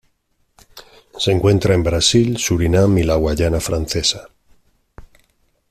Se encuentra en Brasil, Surinam y la Guayana Francesa.